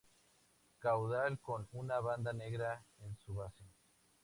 Caudal con una banda negra en su base.